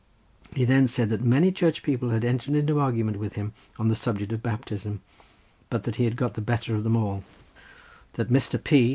He then said that many church people had entered into argument with him on the subject of baptism, but that he had got the better of them all; that Mr. P.